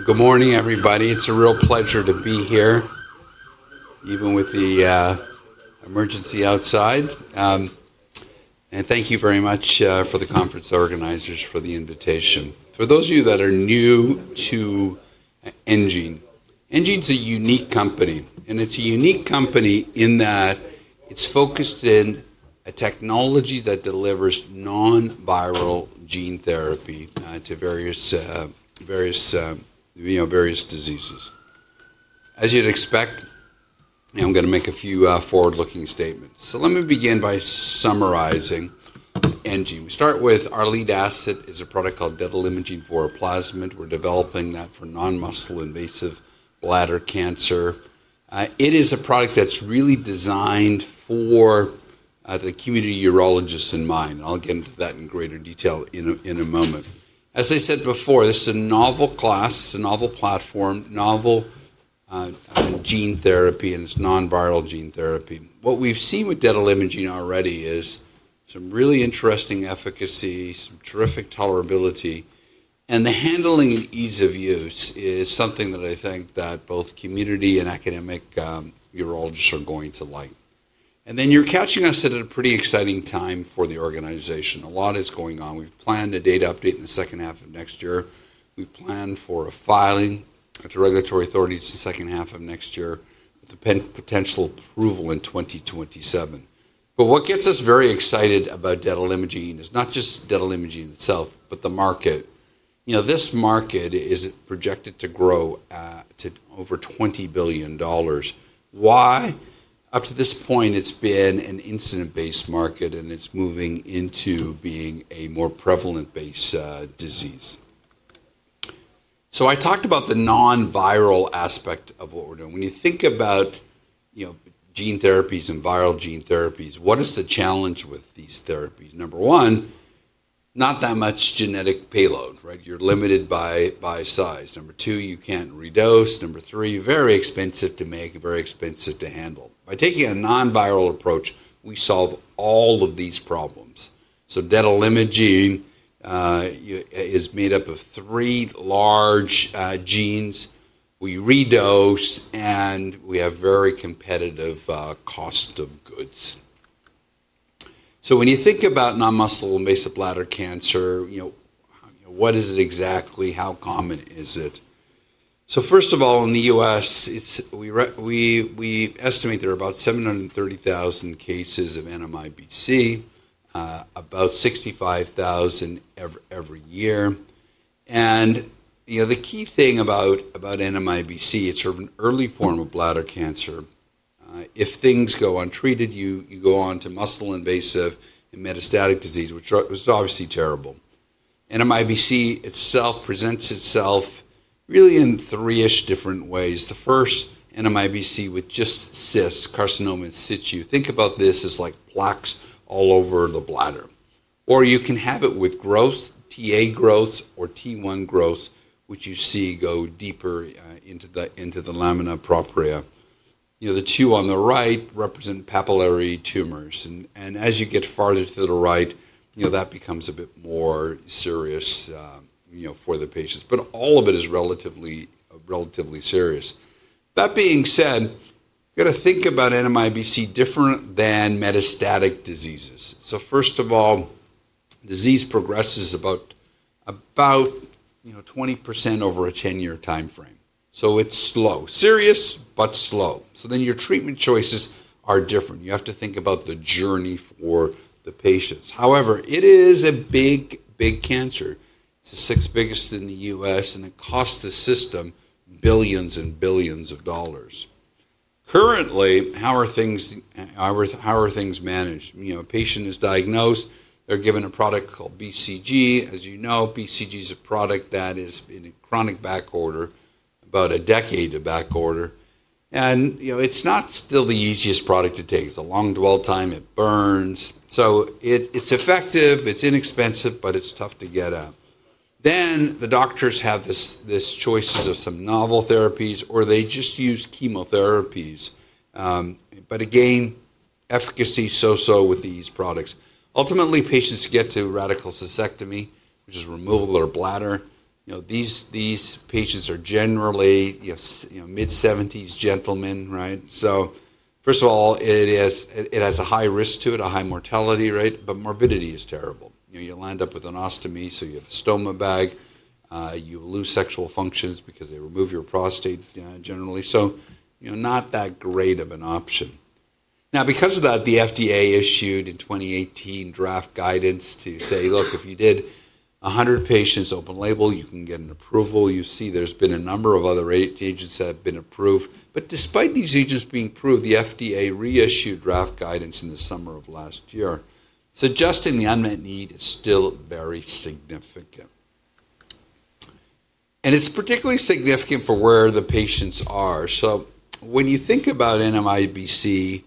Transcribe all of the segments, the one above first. Good morning, everybody. It's a real pleasure to be here, even with the emergency outside. Thank you very much to the conference organizers for the invitation. For those of you that are new to enGene, enGene's a unique company. It's a unique company in that it's focused in a technology that delivers non-viral gene therapy to various diseases. As you'd expect, I'm going to make a few forward-looking statements. Let me begin by summarizing enGene. We start with our lead asset, which is a product called detalimogene voraplasmid. We're developing that for non-muscle invasive bladder cancer. It is a product that's really designed with the community urologists in mind. I'll get into that in greater detail in a moment. As I said before, this is a novel class, a novel platform, novel gene therapy, and it's non-viral gene therapy. What we've seen with detalimogene voraplasmid already is some really interesting efficacy, some terrific tolerability, and the handling and ease of use is something that I think that both community and academic urologists are going to like. You're catching us at a pretty exciting time for the organization. A lot is going on. We've planned a data update in the second half of next year. We plan for a filing to regulatory authorities in the second half of next year with the potential approval in 2027. What gets us very excited about detalimogene voraplasmid is not just detalimogene voraplasmid itself, but the market. This market is projected to grow to over $20 billion. Why? Up to this point, it's been an incident-based market, and it's moving into being a more prevalent-based disease. I talked about the non-viral aspect of what we're doing. When you think about gene therapies and viral gene therapies, what is the challenge with these therapies? Number one, not that much genetic payload. You're limited by size. Number two, you can't redose. Number three, very expensive to make, very expensive to handle. By taking a non-viral approach, we solve all of these problems. So detalimogene is made up of three large genes. We redose, and we have very competitive cost of goods. When you think about non-muscle invasive bladder cancer, what is it exactly? How common is it? First of all, in the U.S., we estimate there are about 730,000 cases of NMIBC, about 65,000 every year. The key thing about NMIBC, it's an early form of bladder cancer. If things go untreated, you go on to muscle invasive and metastatic disease, which is obviously terrible. NMIBC itself presents itself really in three-ish different ways. The first, NMIBC with just cysts, carcinoma in situ. Think about this as like plaques all over the bladder. Or you can have it with growth, Ta growths, or T1 growths, which you see go deeper into the lamina propria. The two on the right represent papillary tumors. As you get farther to the right, that becomes a bit more serious for the patients. All of it is relatively serious. That being said, you've got to think about NMIBC different than metastatic diseases. First of all, disease progresses about 20% over a 10-year time frame. It's slow. Serious, but slow. Your treatment choices are different. You have to think about the journey for the patients. However, it is a big, big cancer. It's the sixth biggest in the US, and it costs the system billions and billions of dollars. Currently, how are things managed? A patient is diagnosed. They're given a product called BCG. As you know, BCG is a product that has been in chronic back order, about a decade of back order. It's not still the easiest product to take. It's a long dwell time. It burns. It's effective. It's inexpensive, but it's tough to get at. The doctors have these choices of some novel therapies, or they just use chemotherapies. Again, efficacy so-so with these products. Ultimately, patients get to radical cystectomy, which is removal of their bladder. These patients are generally mid-70s gentlemen. First of all, it has a high risk to it, a high mortality, but morbidity is terrible. You'll end up with an ostomy, so you have a stoma bag. You lose sexual functions because they remove your prostate generally. Not that great of an option. Now, because of that, the FDA issued in 2018 draft guidance to say, "Look, if you did 100 patients open label, you can get an approval." You see there's been a number of other agents that have been approved. Despite these agents being approved, the FDA reissued draft guidance in the summer of last year, suggesting the unmet need is still very significant. It is particularly significant for where the patients are. When you think about NMIBC,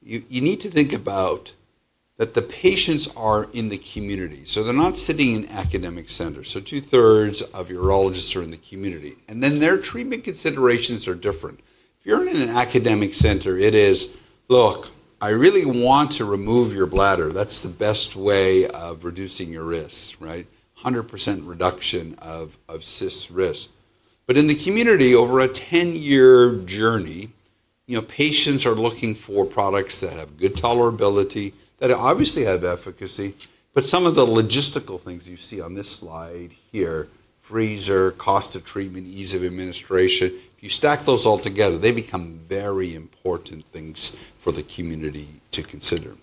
you need to think about that the patients are in the community. They're not sitting in academic centers. Two-thirds of urologists are in the community. Their treatment considerations are different. If you're in an academic center, it is, "Look, I really want to remove your bladder. That's the best way of reducing your risk," 100% reduction of cyst risk. In the community, over a 10-year journey, patients are looking for products that have good tolerability, that obviously have efficacy. Some of the logistical things you see on this slide here, freezer, cost of treatment, ease of administration, if you stack those all together, they become very important things for the community to consider.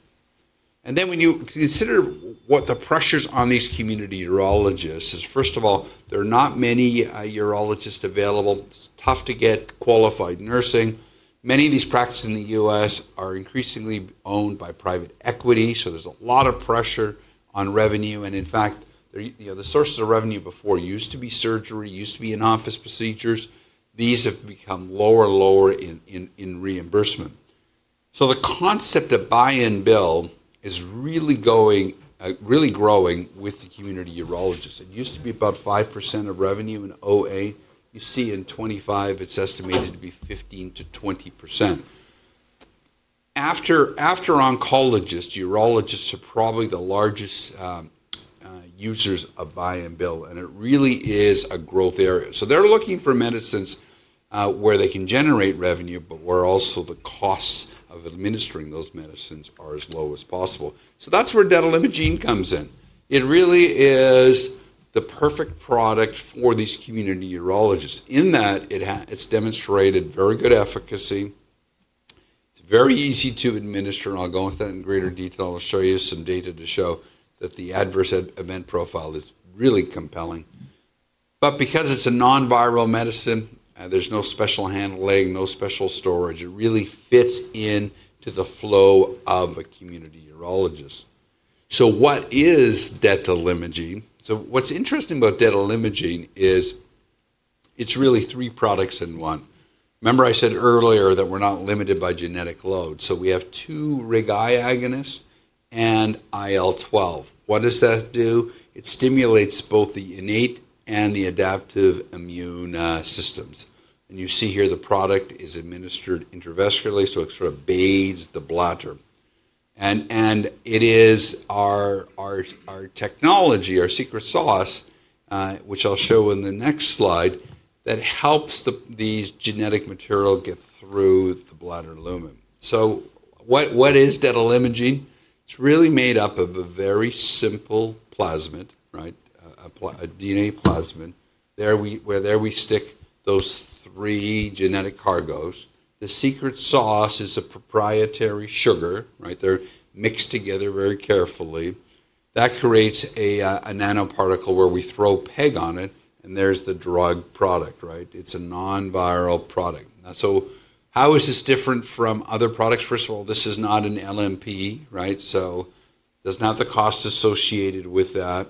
When you consider what the pressures on these community urologists is, first of all, there are not many urologists available. It's tough to get qualified nursing. Many of these practices in the US are increasingly owned by private equity. There is a lot of pressure on revenue. In fact, the sources of revenue before used to be surgery, used to be in-office procedures. These have become lower and lower in reimbursement. The concept of buy-and-bill is really growing with the community urologists. It used to be about 5% of revenue in OA. You see in 2025, it's estimated to be 15%-20%. After oncologists, urologists are probably the largest users of buy-and-bill. It really is a growth area. They're looking for medicines where they can generate revenue, but where also the costs of administering those medicines are as low as possible. That's where detalimogene comes in. It really is the perfect product for these community urologists. In that, it's demonstrated very good efficacy. It's very easy to administer. I'll go into that in greater detail. I'll show you some data to show that the adverse event profile is really compelling. Because it's a non-viral medicine, there's no special handling, no special storage. It really fits into the flow of a community urologist. What is detalimogene? What's interesting about detalimogene is it's really three products in one. Remember I said earlier that we're not limited by genetic load. We have two RIG-I agonists and IL-12. What does that do? It stimulates both the innate and the adaptive immune systems. You see here the product is administered intravesically. It sort of bathes the bladder. It is our technology, our secret sauce, which I'll show in the next slide, that helps this genetic material get through the bladder lumen. What is detalimogene? It's really made up of a very simple plasmid, a DNA plasmid, where we stick those three genetic cargoes. The secret sauce is a proprietary sugar. They're mixed together very carefully. That creates a nanoparticle where we throw PEG on it, and there's the drug product. It's a non-viral product. How is this different from other products? First of all, this is not an LMP. There is not the cost associated with that.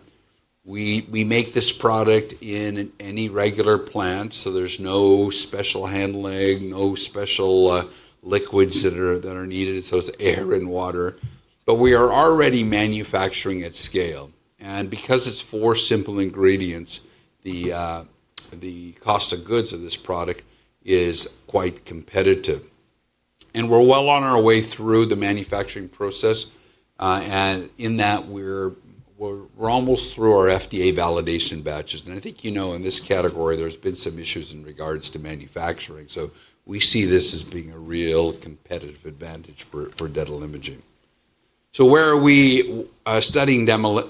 We make this product in any regular plant. There is no special handling, no special liquids that are needed. It is air and water. We are already manufacturing at scale. Because it is four simple ingredients, the cost of goods of this product is quite competitive. We are well on our way through the manufacturing process. In that, we are almost through our FDA validation batches. I think you know in this category, there have been some issues in regards to manufacturing. We see this as being a real competitive advantage for detalimogene voraplasmid. Where are we studying detalimogene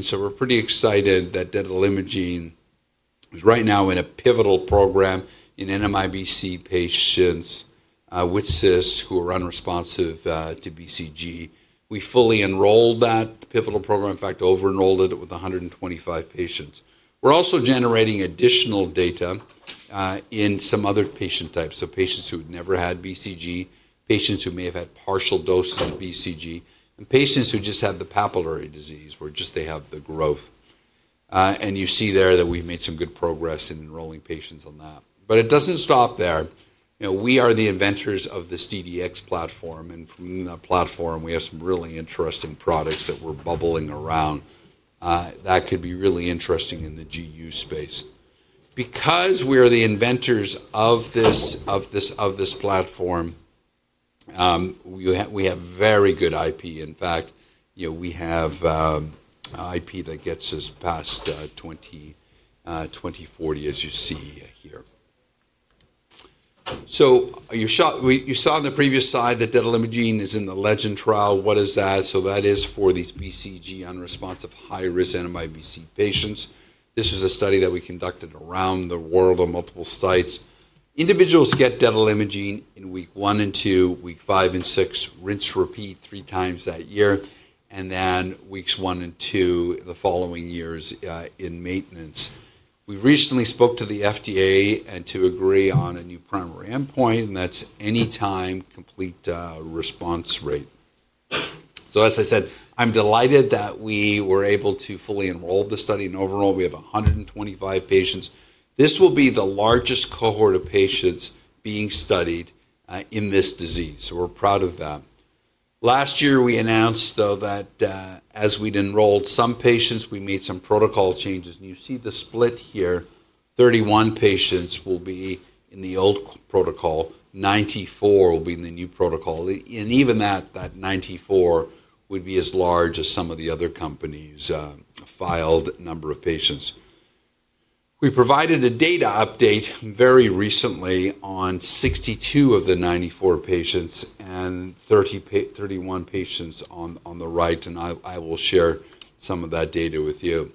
voraplasmid? We are pretty excited that detalimogene voraplasmid is right now in a pivotal program in NMIBC patients with CIS who are unresponsive to BCG. We fully enrolled that pivotal program. In fact, over-enrolled it with 125 patients. We're also generating additional data in some other patient types. Patients who had never had BCG, patients who may have had partial doses of BCG, and patients who just have the papillary disease where just they have the growth. You see there that we've made some good progress in enrolling patients on that. It does not stop there. We are the inventors of this DDX platform. From that platform, we have some really interesting products that we're bubbling around that could be really interesting in the GU space. Because we are the inventors of this platform, we have very good IP. In fact, we have IP that gets us past 2040, as you see here. You saw on the previous slide that detalimogene is in the LEGEND trial. What is that? That is for these BCG-unresponsive high-risk NMIBC patients. This is a study that we conducted around the world at multiple sites. Individuals get detalimogene in week one and two, week five and six, rinse-repeat three times that year. Then weeks one and two the following years in maintenance. We recently spoke to the FDA to agree on a new primary endpoint. That's anytime complete response rate. As I said, I'm delighted that we were able to fully enroll the study. Overall, we have 125 patients. This will be the largest cohort of patients being studied in this disease. We're proud of that. Last year, we announced, though, that as we'd enrolled some patients, we made some protocol changes. You see the split here. Thirty-one patients will be in the old protocol. Ninety-four will be in the new protocol. Even that 94 would be as large as some of the other companies' filed number of patients. We provided a data update very recently on 62 of the 94 patients and 31 patients on the right. I will share some of that data with you.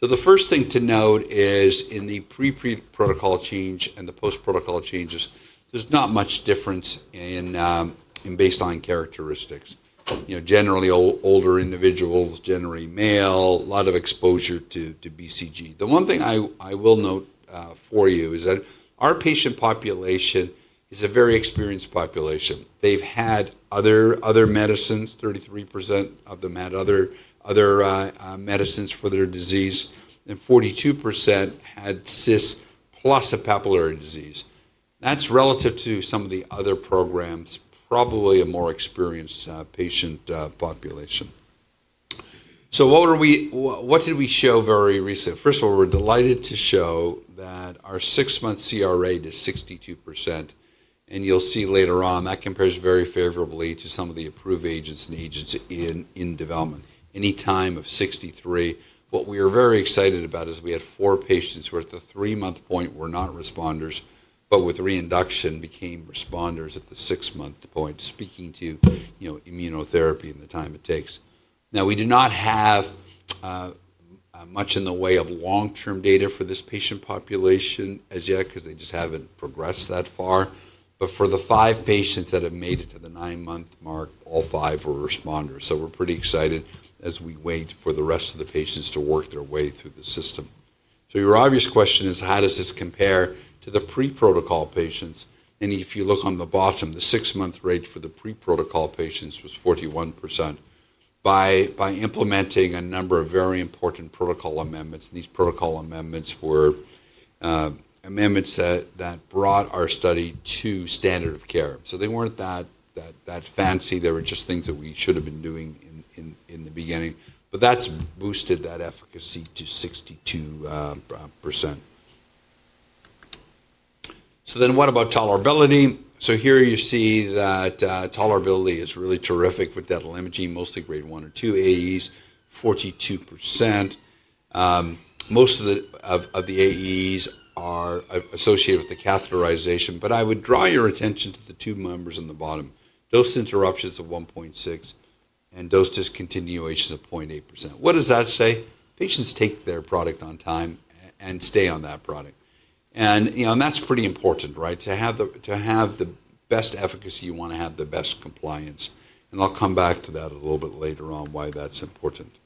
The first thing to note is in the pre-protocol change and the post-protocol changes, there is not much difference in baseline characteristics. Generally, older individuals, generally male, a lot of exposure to BCG. The one thing I will note for you is that our patient population is a very experienced population. They have had other medicines. 33% of them had other medicines for their disease. 42% had CIS plus a papillary disease. That is relative to some of the other programs, probably a more experienced patient population. What did we show very recently? First of all, we're delighted to show that our six-month CR rate is 62%. You'll see later on that compares very favorably to some of the approved agents and agents in development. Anytime of 63. What we are very excited about is we had four patients who were at the three-month point, were not responders, but with reinduction became responders at the six-month point, speaking to immunotherapy and the time it takes. Now, we do not have much in the way of long-term data for this patient population as yet because they just haven't progressed that far. For the five patients that have made it to the nine-month mark, all five were responders. We're pretty excited as we wait for the rest of the patients to work their way through the system. Your obvious question is, how does this compare to the pre-protocol patients? If you look on the bottom, the six-month rate for the pre-protocol patients was 41% by implementing a number of very important protocol amendments. These protocol amendments were amendments that brought our study to standard of care. They were not that fancy. They were just things that we should have been doing in the beginning. That boosted that efficacy to 62%. What about tolerability? Here you see that tolerability is really terrific with detalimogene, mostly grade 1 or 2 AEs, 42%. Most of the AEs are associated with the catheterization. I would draw your attention to the two numbers on the bottom. Dose interruptions of 1.6% and dose discontinuations of 0.8%. What does that say? Patients take their product on time and stay on that product. That is pretty important to have the best efficacy. You want to have the best compliance. I'll come back to that a little bit later on why that's important.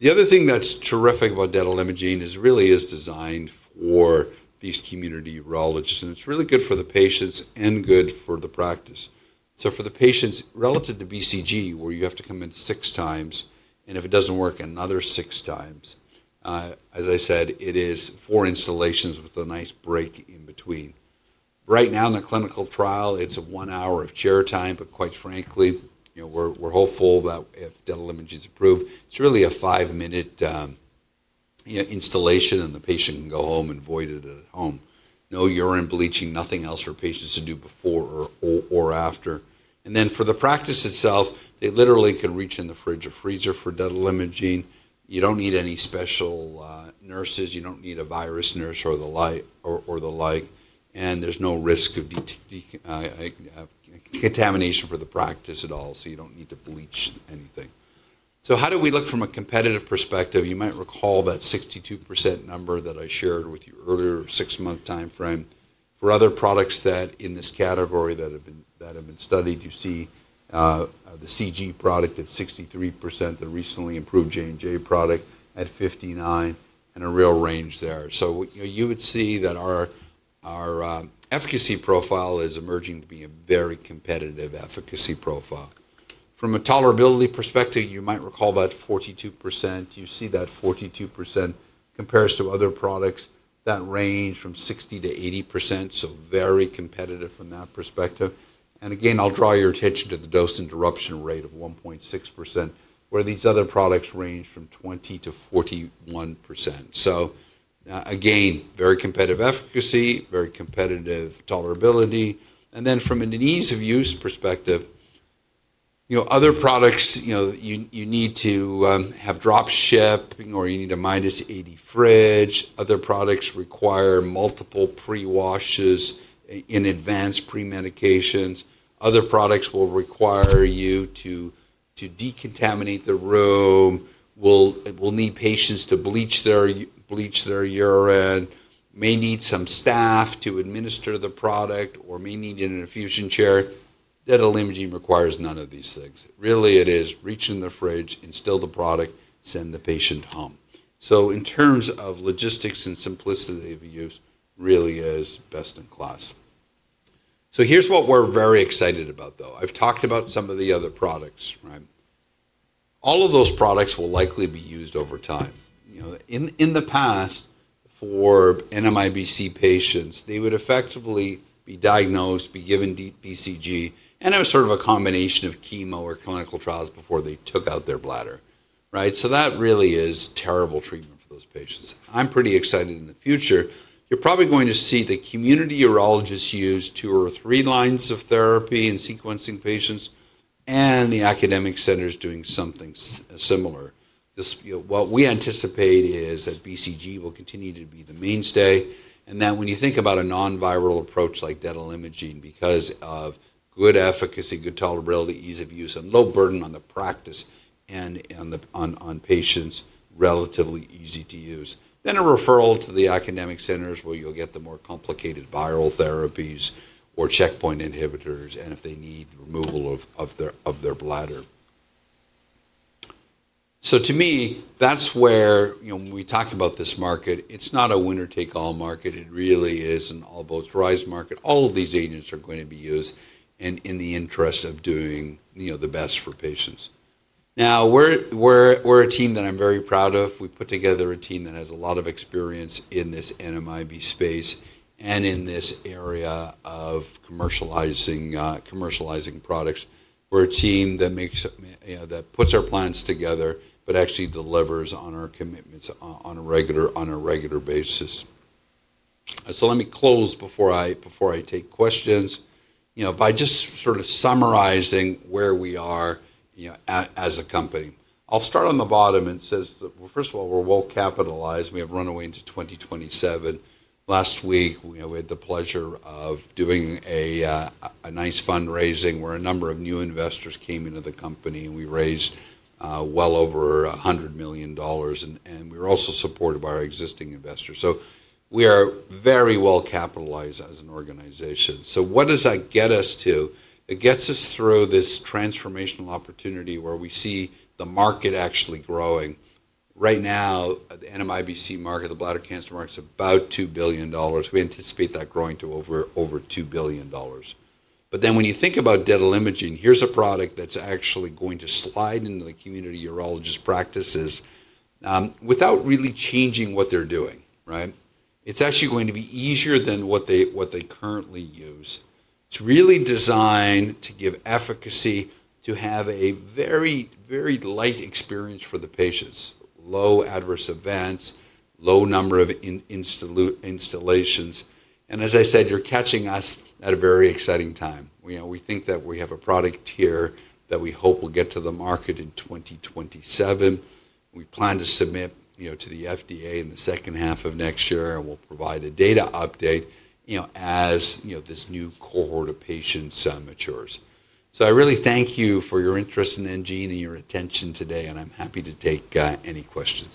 The other thing that's terrific about detalimogene is it really is designed for these community urologists. It's really good for the patients and good for the practice. For the patients relative to BCG, where you have to come in six times and if it doesn't work, another six times. As I said, it is four installations with a nice break in between. Right now in the clinical trial, it's one hour of chair time. Quite frankly, we're hopeful that if detalimogene is approved, it's really a five-minute installation and the patient can go home and void it at home. No urine bleaching, nothing else for patients to do before or after. For the practice itself, they literally can reach in the fridge or freezer for detalimogene. You don't need any special nurses. You don't need a virus nurse or the like. There's no risk of contamination for the practice at all. You don't need to bleach anything. How do we look from a competitive perspective? You might recall that 62% number that I shared with you earlier, six-month time frame. For other products in this category that have been studied, you see the BCG product at 63%, the recently approved Johnson & Johnson product at 59%, and a real range there. You would see that our efficacy profile is emerging to be a very competitive efficacy profile. From a tolerability perspective, you might recall that 42%. You see that 42% compares to other products that range from 60%-80%. Very competitive from that perspective. I'll draw your attention to the dose interruption rate of 1.6%, where these other products range from 20%-41%. Very competitive efficacy, very competitive tolerability. From an ease of use perspective, other products, you need to have drop shipping or you need a minus 80 fridge. Other products require multiple pre-washes and advanced pre-medications. Other products will require you to decontaminate the room. You'll need patients to bleach their urine. May need some staff to administer the product or may need an infusion chair. Detalimogene requires none of these things. Really, it is reach in the fridge, instill the product, send the patient home. In terms of logistics and simplicity of use, really is best in class. Here's what we're very excited about, though. I've talked about some of the other products. All of those products will likely be used over time. In the past, for NMIBC patients, they would effectively be diagnosed, be given BCG, and it was sort of a combination of chemo or clinical trials before they took out their bladder. That really is terrible treatment for those patients. I'm pretty excited in the future. You're probably going to see the community urologists use two or three lines of therapy in sequencing patients and the academic centers doing something similar. What we anticipate is that BCG will continue to be the mainstay. When you think about a non-viral approach like detalimogene, because of good efficacy, good tolerability, ease of use, and low burden on the practice and on patients, it is relatively easy to use. A referral to the academic centers where you'll get the more complicated viral therapies or checkpoint inhibitors and if they need removal of their bladder. To me, that's where when we talk about this market, it's not a winner-take-all market. It really is an all-boats rise market. All of these agents are going to be used in the interest of doing the best for patients. Now, we're a team that I'm very proud of. We put together a team that has a lot of experience in this NMIBC space and in this area of commercializing products. We're a team that puts our plans together but actually delivers on our commitments on a regular basis. Let me close before I take questions by just sort of summarizing where we are as a company. I'll start on the bottom. It says, first of all, we're well capitalized. We have run away into 2027. Last week, we had the pleasure of doing a nice fundraising where a number of new investors came into the company. We raised well over $100 million. We were also supported by our existing investors. We are very well capitalized as an organization. What does that get us to? It gets us through this transformational opportunity where we see the market actually growing. Right now, the NMIBC market, the bladder cancer market, is about $2 billion. We anticipate that growing to over $2 billion. When you think about detalimogene, here is a product that is actually going to slide into the community urologist practices without really changing what they are doing. It is actually going to be easier than what they currently use. It's really designed to give efficacy to have a very, very light experience for the patients, low adverse events, low number of instillations. As I said, you're catching us at a very exciting time. We think that we have a product here that we hope will get to the market in 2027. We plan to submit to the FDA in the second half of next year. We'll provide a data update as this new cohort of patients matures. I really thank you for your interest in enGene and your attention today. I'm happy to take any questions.